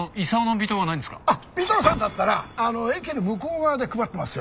尾藤さんだったら駅の向こう側で配ってますよ。